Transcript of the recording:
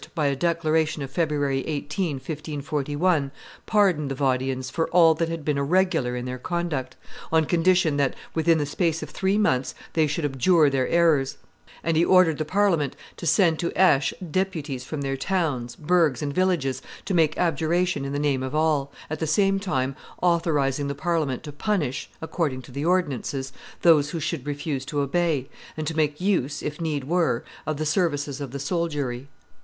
by a declaration of February 18, 1541, pardoned the Vaudians for all that had been irregular in their conduct, on condition that within the space of three months they should abjure their errors; and he ordered the Parliament to send to Aix deputies from their towns, burghs, and villages, to make abjuration in the name of all, at the same time authorizing the Parliament to punish, according to the ordinances, those who should refuse to obey, and to make use, if need were, of the services of the soldiery.